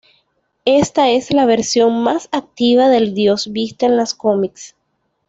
Esta es la versión más "activa" del Dios vista en los comics.